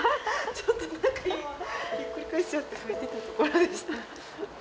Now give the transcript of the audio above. ちょっと中今ひっくり返しちゃって拭いてたところでした。